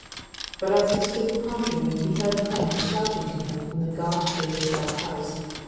But as he stood pondering he heard Clement shouting to him from the garth gate of that house.